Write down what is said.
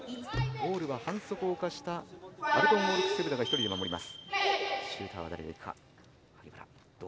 ゴールは反則を犯したアルトゥンオルク・セブダが１人で守ります。